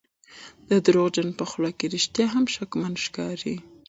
د دروغجن په خوله کې رښتیا هم شکمن ښکاري.